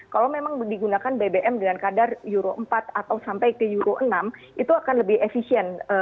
kalau memang digunakan bbm dengan kadar euro empat atau sampai ke euro enam itu akan lebih efisien